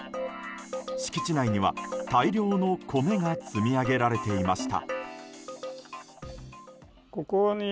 敷地内には大量の米が積み上げられていました。